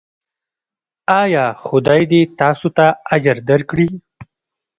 ایا خدای دې تاسو ته اجر درکړي؟